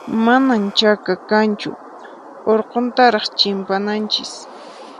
Manan chaka kanchu, urquntaraq chimpananchis.